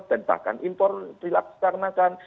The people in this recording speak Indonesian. dan bahkan impor dilaksanakan